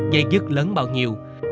dây dứt lớn bao nhiêu